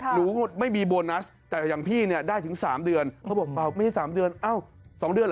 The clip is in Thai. หนูไม่มีโบนัสแต่อย่างพี่ได้ถึง๓เดือน